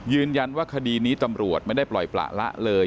ยืนยันว่าคดีนี้ตำรวจไม่ได้ปล่อยประละเลย